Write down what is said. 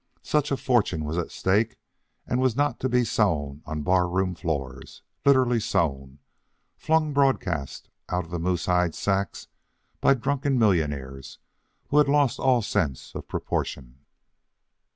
Such a fortune was a stake, and was not to be sown on bar room floors, literally sown, flung broadcast out of the moosehide sacks by drunken millionaires who had lost all sense of proportion.